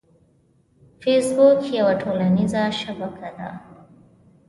فېسبوک یوه ټولنیزه شبکه ده